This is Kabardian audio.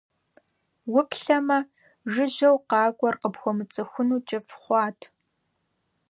Уплъэмэ, жыжьэу къакӀуэр къыпхуэмыцӀыхуну кӀыфӀ хъуат.